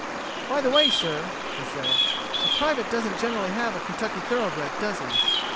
"By the way, sir," he said. "A private doesn't generally have a Kentucky thoroughbred, does he?"